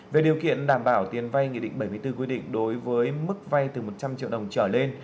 về điều kiện đảm bảo tiền vay nghị định bảy mươi bốn quy định đối với mức vay từ một trăm linh triệu đồng trở lên